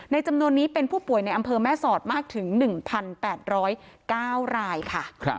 จำนวนนี้เป็นผู้ป่วยในอำเภอแม่สอดมากถึง๑๘๐๙รายค่ะ